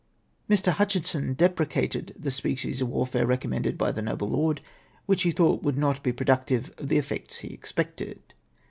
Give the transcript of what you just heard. "3Ie. Hutchinson deprecated the species of warfare re commended by the noble lord, which he thought would not be productive of the effects he expected.